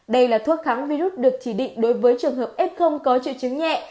đây là thuốc kháng virus được chỉ định đối với trường hợp f có triệu chứng nhẹ